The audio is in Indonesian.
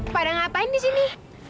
padahal ngapain disini